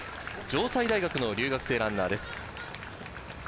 城西大学の留学生ランナーです。